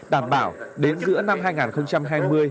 đảm bảo đến giữa năm hai nghìn hai mươi